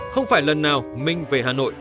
không phải lần nào minh về hà nội